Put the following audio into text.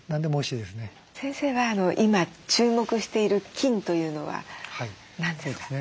先生は今注目している菌というのは何ですか？